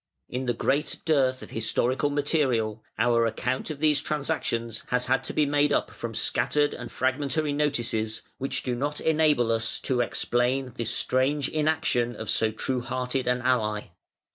In the great dearth of historical material, our account of these transactions has to be made up from scattered and fragmentary notices, which do not enable us to explain this strange inaction of so true hearted an ally.